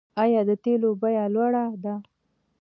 آیا د تیلو بیه لوړه ده؟